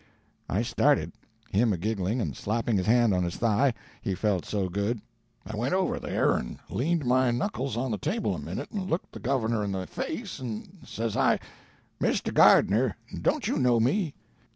I started, him a giggling and slapping his hand on his thigh, he felt so good. I went over there and leaned my knuckles on the table a minute and looked the governor in the face, and says I, 'Mr. Gardner, don't you know me?'